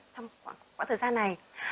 trong khoảng thời gian này